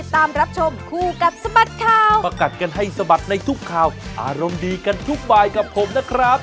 ทุกคร่าวอารมณ์ดีกันทุกบ่ายกับผมนะครับ